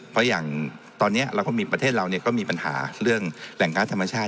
เพราะอย่างตอนนี้เราก็มีประเทศเราก็มีปัญหาเรื่องแหล่งค้าธรรมชาติ